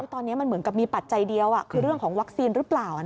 ตอนนี้มันเหมือนกับมีปัจจัยเดียวคือเรื่องของวัคซีนหรือเปล่า